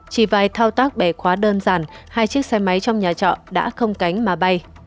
chỉ vài thao tác bẻ khóa đơn giản hai chiếc xe máy trong nhà trọ đã không cánh mà bay